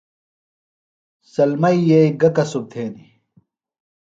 سلمی ییی گہ کسُب تھینی؟